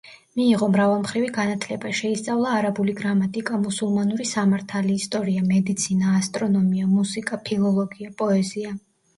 მიიღო მრავალმხრივი განათლება: შეისწავლა არაბული გრამატიკა, მუსულმანური სამართალი, ისტორია, მედიცინა, ასტრონომია, მუსიკა, ფილოლოგია, პოეზია.